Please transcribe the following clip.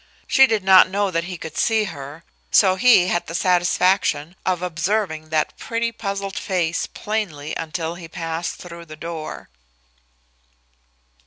She did not know that he could see her, so he had the satisfaction of observing that pretty, puzzled face plainly until he passed through the door.